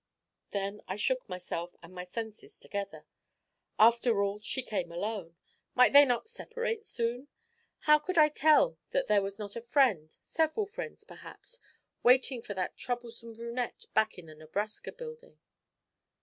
Then I shook myself and my senses together. After all she came alone. Might they not separate soon? How could I tell that there was not a friend, several friends perhaps, waiting for that troublesome brunette back in the Nebraska Building?